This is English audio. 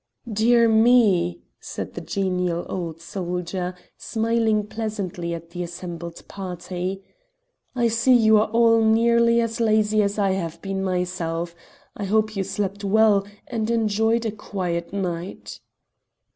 "Dear me," said the genial old soldier, smiling pleasantly at the assembled party. "I see you are all nearly as lazy as I have been myself. I hope you slept well, and enjoyed a quiet night."